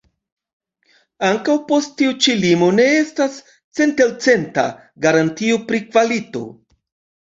Ankaŭ post tiu ĉi limo ne estas centelcenta garantio pri kvalito.